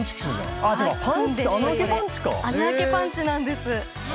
穴開けパンチなんです。